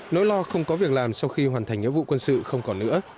nỗi lo không có việc làm sau khi hoàn thành nhiệm vụ quân sự không còn nữa